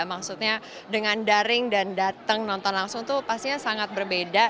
maksudnya dengan daring dan datang nonton langsung itu pastinya sangat berbeda